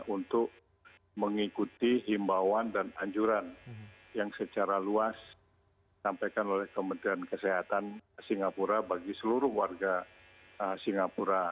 untuk mengikuti himbauan dan anjuran yang secara luas sampaikan oleh kementerian kesehatan singapura bagi seluruh warga singapura